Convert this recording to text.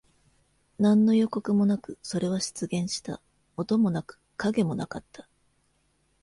何の予告もなく、それは出現した。音もなく、影もなかった。